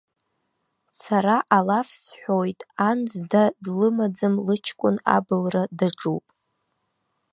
Сара алаф сҳәоит, ан зда длымаӡам лыҷкәын абылра даҿуп!